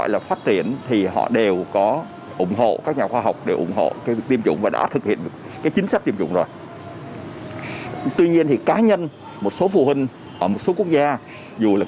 là một trăm bốn mươi một bảy trăm chín mươi bảy ca một ngày